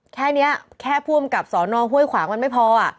แค่นี้แค่ผู้อำกับสอนอห้วยขวางมันไม่พอ